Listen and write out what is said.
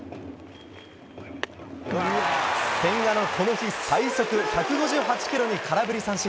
千賀のこの日最速１５８キロに空振り三振。